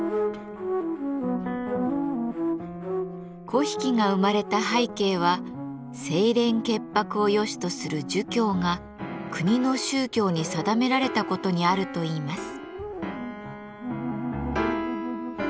粉引が生まれた背景は清廉潔白をよしとする儒教が国の宗教に定められた事にあるといいます。